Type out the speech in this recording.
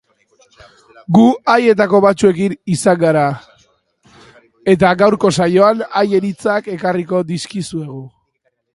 Gu haietako batzuekin izan gara, eta gaurko saioan haien hitzak ekarriko dizkizuegu.